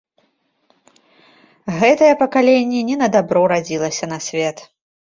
Гэтае пакаленне не на дабро радзілася на свет.